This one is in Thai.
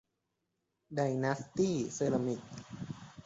ไดนาสตี้เซรามิค